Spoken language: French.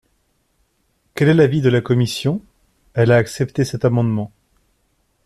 Quel est l’avis de la commission ? Elle a accepté cet amendement.